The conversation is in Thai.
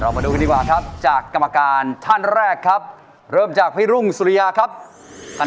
แล้วน้องซีซีนะครับผมจะต้องเป็นท่านที่กลับบ้านไปนะครับผม